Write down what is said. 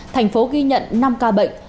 thành phố ghi nhận năm ca bệnh